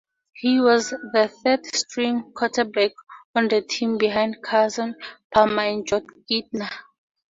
He was the third-string quarterback on the team behind Carson Palmer and Jon Kitna.